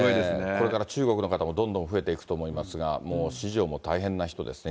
これから中国の方もどんどん増えていくと思いますが、もう四条も大変な人ですね。